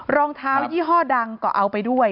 รองเท้ายี่ห้อดังก็เอาไปด้วย